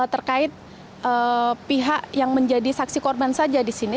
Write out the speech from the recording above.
terkait pihak yang menjadi saksi korban saja di sini